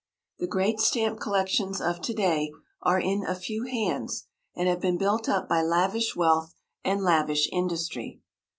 The great stamp collections of to day are in a few hands, and have been built up by lavish wealth and lavish industry.